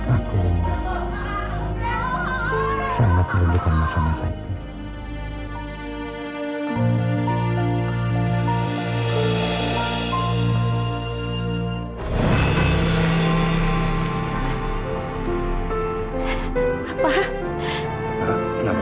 aku sangat merugikan masa masa itu